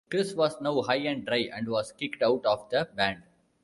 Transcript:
Chris was now high and dry and was kicked out of the band.